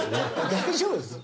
大丈夫ですか？